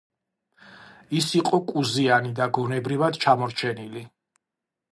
ის იყო კუზიანი და გონებრივად ჩამორჩენილი.